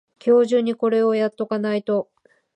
今日中にこれをやっとかないと